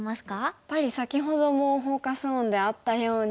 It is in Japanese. やっぱり先ほどもフォーカス・オンであったように。